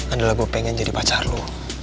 adalah gue pengen jadi pacar lu